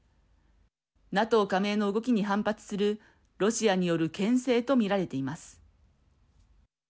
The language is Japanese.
ＮＡＴＯ加盟の動きに反発するロシアによるけん制と見られています。